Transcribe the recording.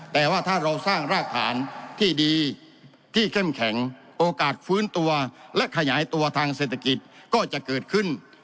แต่ว่าถ้าเราสร้างรากฐานที่ดีที่เข้มแข็งโอกาสฟื้นตัวและขยายตัวทางเศรษฐกิจก็จะเกิดขึ้น